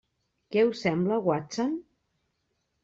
Què us en sembla, Watson?